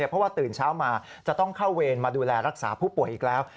เพราะว่าตื่นเช้ามาจะต้องเข้าเวรมาดูแลรักษาผู้ป่วยอีกแล้ว